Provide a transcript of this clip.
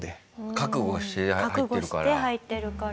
覚悟して入ってるから。